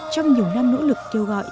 trong nhiều năm nỗ lực kêu gọi